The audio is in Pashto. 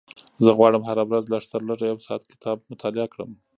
زه غواړم هره ورځ لږترلږه یو ساعت کتاب مطالعه کړم.